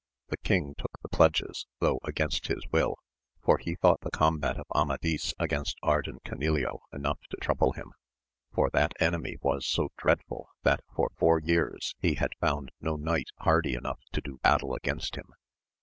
The king took the pledges, though against his will, for he thought the combat of Amadis against Ardan Canileo enough to trouble him, for that enemy was so dreadful that for four years he had found no knight hardy enough to do battle against him.